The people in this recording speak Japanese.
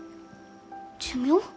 寿命？